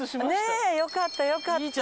ねえよかったよかった。